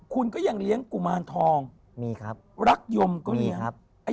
คุณก็ยังเลี้ยงกุมารทองมีครับรักยมก็มีครับ